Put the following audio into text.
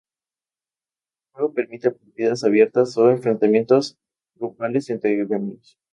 El juego permite partidas abiertas o enfrentamientos grupales entre gremios.